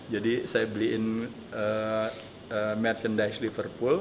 jadi saya beliin merchandise liverpool